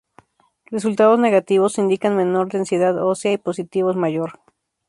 Resultados negativos indican menor densidad ósea, y positivos mayor.